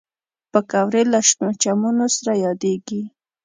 پکورې له شنو چمنو سره یادېږي